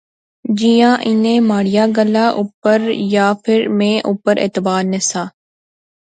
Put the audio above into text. جیاں انیں مہاڑیا گلاہ اپر یا فیر میں اپر اعتبارنہسا